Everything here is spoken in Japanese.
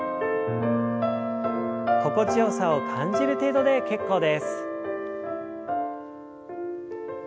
心地よさを感じる程度で結構です。